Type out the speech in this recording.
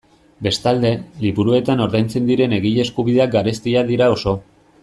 Bestalde, liburuetan ordaintzen diren egile eskubideak garestiak dira oso.